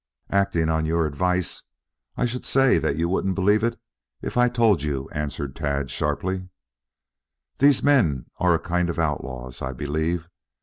"Acting upon your advice, I should say that you wouldn't believe it if I told you," answered Tad sharply. "These men are a kind of outlaws, I believe.